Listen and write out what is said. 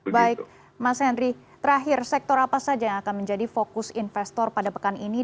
baik mas henry terakhir sektor apa saja yang akan menjadi fokus investor pada pekan ini